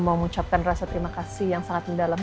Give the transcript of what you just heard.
mau mengucapkan rasa terima kasih yang sangat mendalam